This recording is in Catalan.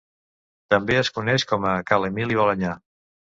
També es coneix com a ca l'Emili Balanyà.